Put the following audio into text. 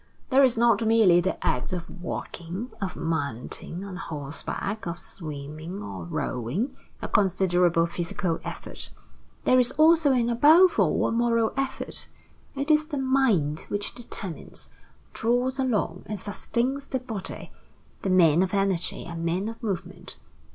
There is not merely the act of walking, of mounting on horseback, of swimming or rowing a considerable physical effort. There is also and above all a moral effort. It is the mind which determines, draws along, and sustains the body. The men of energy are men of movement.